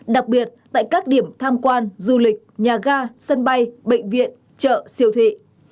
đặc biệt tại các điểm tham quan du lịch nhà ga sân bay bệnh viện chợ siêu thị